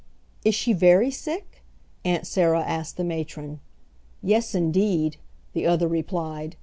"Is she very sick?" Aunt Sarah asked the matron. "Yes indeed," the other replied.